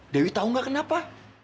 dewi tau gak kenapa